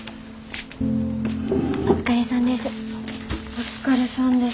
お疲れさんです。